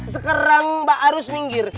sekarang mbak harus minggir